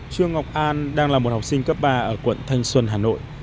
trương ngọc an đang là một học sinh cấp ba ở quận thanh xuân hà nội